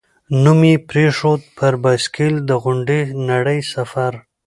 نوم یې پرېښود، «پر بایسکل د غونډې نړۍ سفر».